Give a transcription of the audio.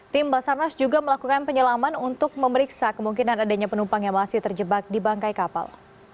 tim basarnas juga melakukan penyelaman untuk memeriksa kemungkinan adanya penumpang yang masih terjebak di bangkai kapal